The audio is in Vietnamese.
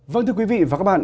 vâng thưa quý vị và các bạn